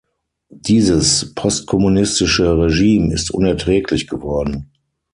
Dieses postkommunistische Regime ist unerträglich geworden.